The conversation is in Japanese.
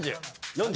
４０。